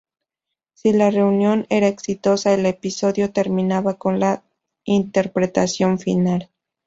Si la reunión era exitosa, el episodio terminaba con la interpretación final.